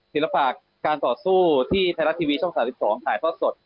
ทีละภาคการต่อสู้ที่ไทยรัฐทีวีช่องสถานี๑๒ถ่ายเพราะสด